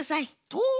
とう？